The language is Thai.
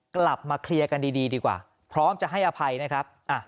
กลับมาเคลียร์กันดีดีกว่าพร้อมจะให้อภัยนะครับ